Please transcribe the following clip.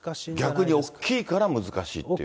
逆に大きいから難しいというね。